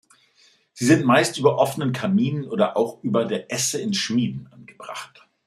Sie sind meist über offenen Kaminen oder auch über der Esse in Schmieden angebracht.